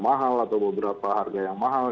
mahal atau beberapa harga yang mahal